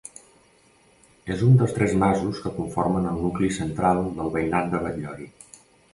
És un dels tres masos que conformen el nucli central del veïnat de Batllori.